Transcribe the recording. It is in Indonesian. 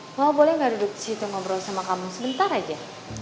mama boleh gak duduk disitu ngobrol sama kamu sebentar aja